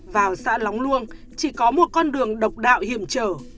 vào xã lóng luông chỉ có một con đường độc đạo hiểm trở